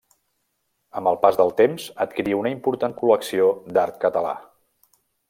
Amb el pas del temps adquirí una important col·lecció d'art català.